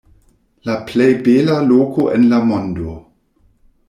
La plej bela loko en la mondo.